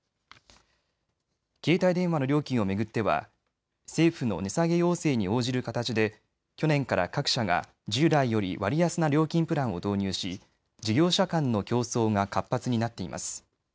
携帯電話の料金を巡っては政府の値下げ要請に応じる形で去年から各社が従来より割安な料金プランを導入し事業者間の競争が活発になっています。